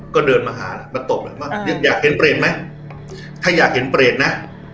ก็เดินมาหามาตบเลยว่าอยากเห็นเปรตไหมถ้าอยากเห็นเปรตนะ